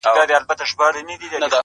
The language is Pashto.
دغه اوږده شپه تر سهاره څنگه تېره كړمه ـ